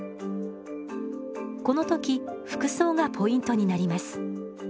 この時服装がポイントになります。